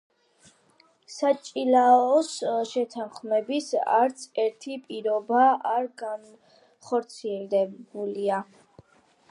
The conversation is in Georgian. საჭილაოს შეთანხმების არც ერთი პირობა არ განხორციელებულა.